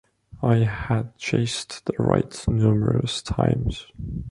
I had chased the rights numerous times.